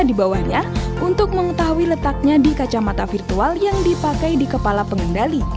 dan di bawahnya untuk mengetahui letaknya di kacamata virtual yang dipakai di kepala pengendali